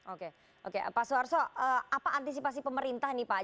oke oke pak soeharto apa antisipasi pemerintah nih pak